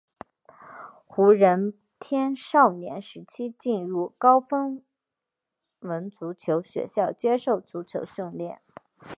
胡人天少年时期进入高丰文足球学校接受足球训练。